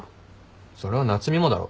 それは夏海もだろ。